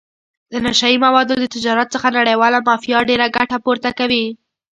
د نشه یي موادو د تجارت څخه نړیواله مافیا ډېره ګټه پورته کوي.